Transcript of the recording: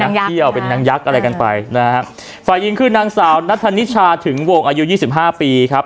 เที่ยวเป็นนางยักษ์อะไรกันไปนะฮะฝ่ายยิงคือนางสาวนัทธนิชาถึงวงอายุยี่สิบห้าปีครับ